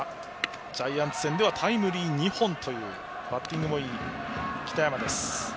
ジャイアンツ戦ではタイムリー２本というバッティングもいい北山です。